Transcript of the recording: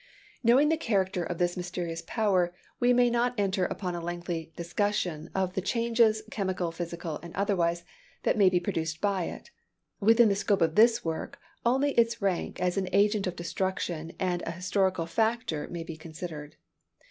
Knowing the character of this mysterious power, we may not enter upon a lengthy discussion of the changes, chemical, physical and otherwise, that may be produced by it. Within the scope of this work, only its rank as an agent of destruction and a historical factor may be considered.